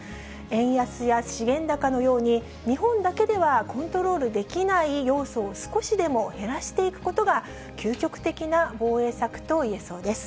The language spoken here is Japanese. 円安や資源高のように、日本だけではコントロールできない要素を少しでも減らしていくことが、究極的な防衛策といえそうです。